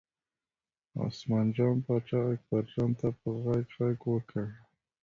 عثمان جان پاچا اکبرجان ته په غږ غږ وکړ.